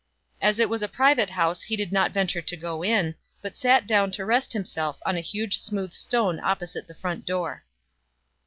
As it was a private house he did not venture to go in, but sat down to rest himself on a huge smooth stone opposite the front door.